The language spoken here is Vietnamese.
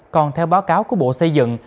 còn theo báo cáo của bộ xây dựng